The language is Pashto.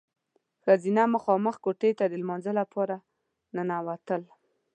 ښځینه مخامخ کوټې ته د لمانځه لپاره ننوتل.